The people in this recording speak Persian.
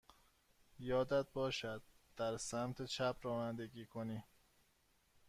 یادت باشد در سمت چپ رانندگی کنی.